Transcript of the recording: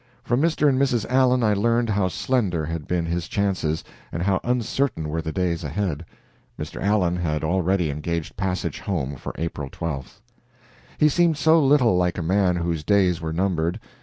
From Mr. and Mrs. Allen I learned how slender had been his chances, and how uncertain were the days ahead. Mr. Allen had already engaged passage home for April 12th. He seemed so little like a man whose days were numbered.